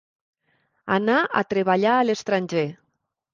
Anar a treballar a l'estranger.